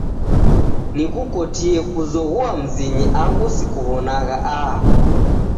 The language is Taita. Nikukotie kozoghua mzinyi angu sikuwonagha aha